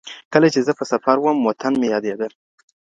کله چي زه په سفر وم، وطن مي یادېده.